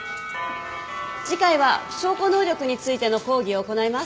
次回は証拠能力についての講義を行います。